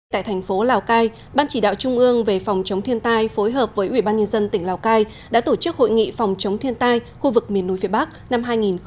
tại thành phố lào cai ban chỉ đạo trung ương về phòng chống thiên tai phối hợp với ủy ban nhân dân tỉnh lào cai đã tổ chức hội nghị phòng chống thiên tai khu vực miền núi phía bắc năm hai nghìn hai mươi